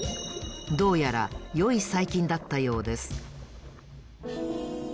どうやらよい細菌だったようです。